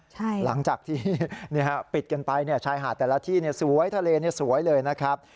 หลังจากที่ปิดกันไปชายหาดแต่ละที่สวยทะเลสวยเลยนะครับ